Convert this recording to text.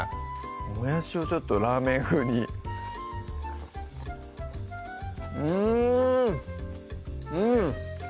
もやしをちょっとラーメン風にうんうん！